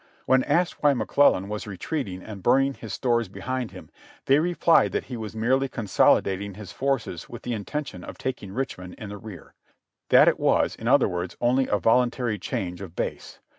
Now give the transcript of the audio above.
When asked why McClellan was re treating and burning his stores behind him, they replied that he was merely consolidating his forces with the intention of taking Richmond in the rear ; that it was, in other words, only a volun tary change of base.